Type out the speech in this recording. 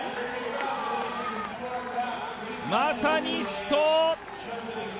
まさに死闘！